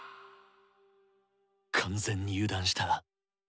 完全に油断した。